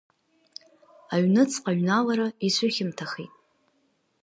Аҩныҵҟа аҩналара ицәыхьамҭахеит…